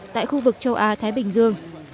tại khu vực châu á thái bình dương